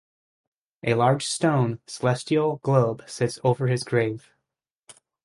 A large stone celestial globe sits over his grave.